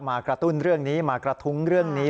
มากระตุ้นเรื่องนี้มากระทุ้งเรื่องนี้